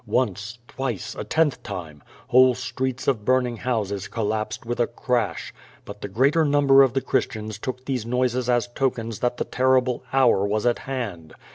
Once, twice, a tenth time. Whole streets of burning houses collapsed with a crash. But the greater number of the Christians took these noises as tokens that the terrible hour was at hand.